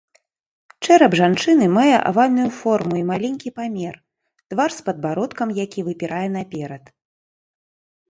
Чэрап жанчыны мае авальную форму і маленькі памер, твар з падбародкам, які выпірае наперад.